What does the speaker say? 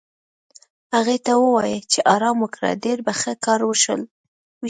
هغې ته ووایې چې ارام وکړه، ډېر به ښه کار وشي.